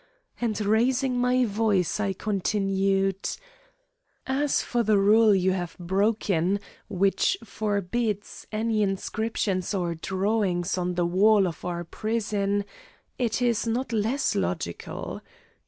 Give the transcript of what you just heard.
And, raising my voice, I continued: "As for the rule you have broken, which forbids any inscription or drawing on the walls of our prison, it is not less logical.